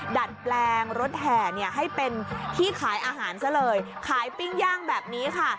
ดัดแปลงรถแห่เนี่ยให้เป็นที่ขายอาหารซะเลยขายปิ้งย่างแบบนี้ค่ะ